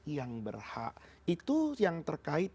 yang berhak itu yang terkait